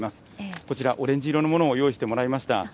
こちら、オレンジ色のものを用意してもらいました。